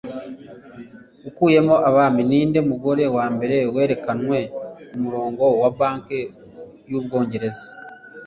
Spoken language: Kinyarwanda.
Ukuyemo Abami Ninde Mugore Wambere Werekanwe Kumurongo wa Banki y'Ubwongereza?